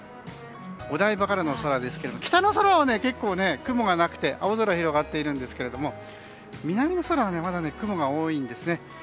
お台場からの空ですが北の空は雲がなくて青空広がっているんですけれども南の空はまだ雲が多いんですね。